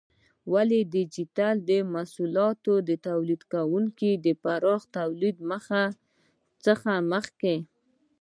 ولې د ټېکنالوجۍ محصولاتو تولیدونکي د پراخه تولید څخه مخکې؟